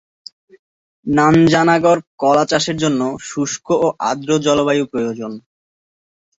নাঞ্জানাগড় কলা চাষের জন্য শুষ্ক ও আর্দ্র জলবায়ু প্রয়োজন।